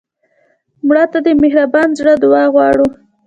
مړه ته د مهربان زړه دعا غواړو